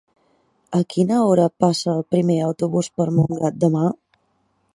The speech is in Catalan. A quina hora passa el primer autobús per Montgat demà?